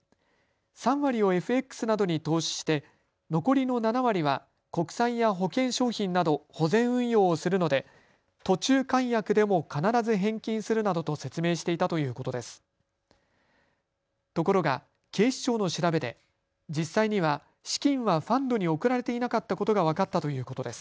３割をＦＸなどに投資して残りの７割は国債や保険商品など保全運用をするので途中解約でも必ず返金するなどと説明していたということです。